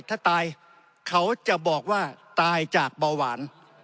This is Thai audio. ถ้าตายเขาจะบอกว่าตายจากเบาหวาน